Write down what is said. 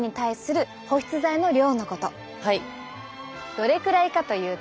どれくらいかというと。